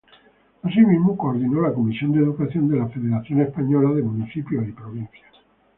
Asimismo, coordinó la Comisión de Educación de la Federación Española de Municipios y Provincias.